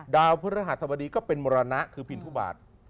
พฤหัสบดีก็เป็นมรณะคือพินทุบาท